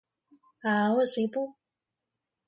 A Ozie Boo!